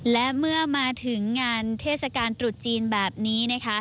และเมื่อมาถึงงานเทศกาลตรุษจีนแบบนี้นะคะ